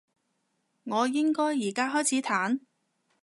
我應該而家開始彈？